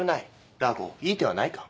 ダー子いい手はないか？